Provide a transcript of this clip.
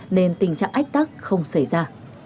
nên tình trạng ách tắc không xảy ra